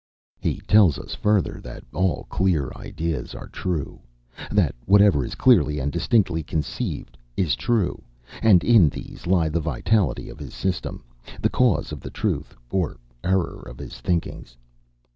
He tells us further that all clear ideas are true that whatever is clearly and distinctly conceived is true and in these lie the vitality of his system, the cause of the truth or error of his thinkings.